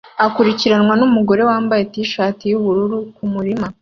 akurikiranwa numugore wambaye t-shirt yubururu kumurima